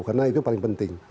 karena itu paling penting